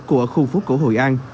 của khu phố cổ hội an